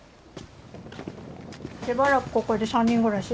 しばらくここで３人暮らし？